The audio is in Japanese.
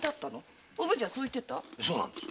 そうなんです。